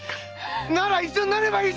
〔なら一緒になればいい！〕